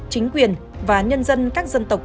chính quyền và nhân dân các dân tộc